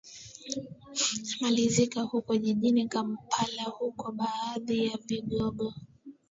malizika huko jijini kampala huku baadhi ya vigogo